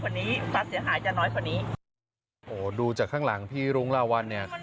โอ้โฮดูจากข้างหลังพี่รุงลาวัล